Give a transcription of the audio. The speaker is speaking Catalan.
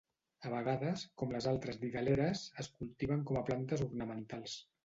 A vegades, com les altres didaleres, es cultiven com a plantes ornamentals.